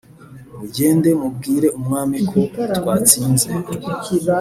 mugende mubwire umwami ko twatsinze